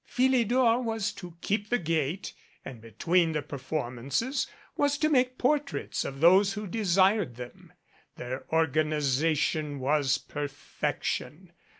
Philidor was to keep the gate and be tween the performances was to make portraits of those who desired them. Their organization was perfection.